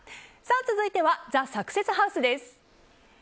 続いてはＴＨＥサクセスハウスです。